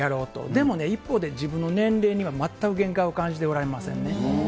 でもね、一方で、自分の年齢には全く限界を感じておられませんね。